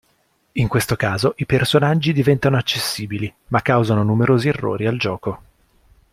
In questo caso i personaggi diventano accessibili ma causano numerosi errori al gioco.